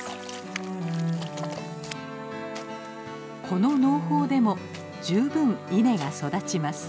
この農法でも十分稲が育ちます。